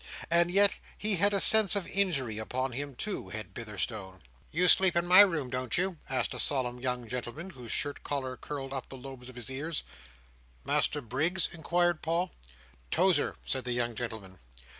And yet he had a sense of injury upon him, too, had Bitherstone. "You sleep in my room, don't you?" asked a solemn young gentleman, whose shirt collar curled up the lobes of his ears. "Master Briggs?" inquired Paul. "Tozer," said the young gentleman.